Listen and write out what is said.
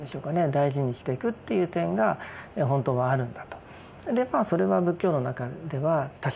大事にしてくっていう点がほんとはあるんだと。